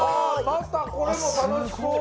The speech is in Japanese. またこれもたのしそう。